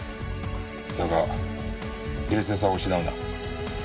だが冷静さを失うな。